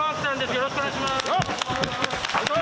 よろしくお願いします。